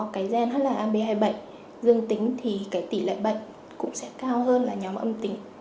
cái gen hoặc là ab hai mươi bảy dương tính thì cái tỷ lệ bệnh cũng sẽ cao hơn là nhóm âm tính